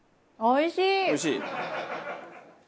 おいしい？